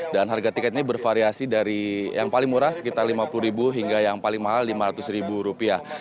dan harga tiket ini bervariasi dari yang paling murah sekitar lima puluh ribu hingga yang paling mahal lima ratus ribu rupiah